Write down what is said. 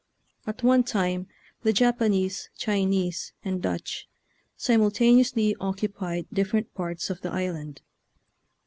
At one time the Japanese, Chinese, and Dutch simultaneously occupied different parts of the island.